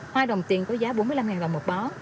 hoa đồng tiền có giá bốn mươi năm đồng một bó